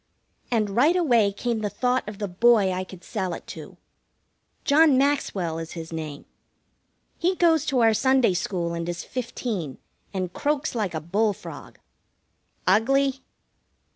And right away came the thought of the boy I could sell it to. John Maxwell is his name. He goes to our Sunday school and is fifteen, and croaks like a bull frog. Ugly?